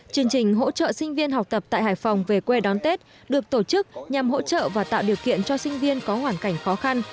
chương trình hỗ trợ sinh viên học tập tại hải phòng về quê đón tết được tổ chức nhằm hỗ trợ và tạo điều kiện cho sinh viên có hoàn cảnh khó khăn